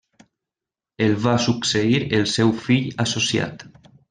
El va succeir el seu fill associat.